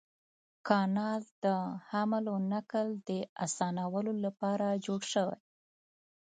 کانال د حمل او نقل د اسانولو لپاره جوړ شوی.